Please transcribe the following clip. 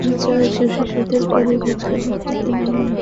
আবার এমনও জানা গেছে, চুরি যাওয়া এসব শিশুদের পরে ভিক্ষাবৃত্তিতে নামানো হয়।